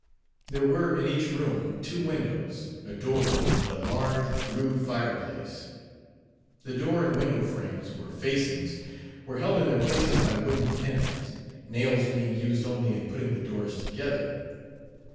There were in each room two windows, a door and a large, rude fire place. The door and window frames, or facings, were held in their places by wooden pins, nails being used only in putting the doors together.